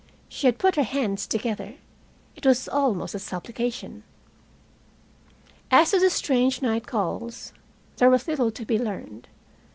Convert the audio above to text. She had put her hands together. It was almost a supplication. As to the strange night calls, there was little to be learned.